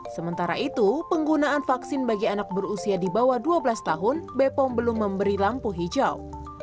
sementara itu penggunaan vaksin bagi anak berusia di bawah dua belas tahun bepom belum memberi lampu hijau